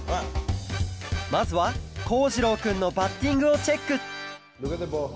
まずはこうじろうくんのバッティングをチェックボール！